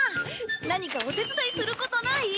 何かお手伝いすることない？